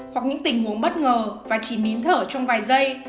hoặc những tình huống bất ngờ và chỉ nín thở trong vài giây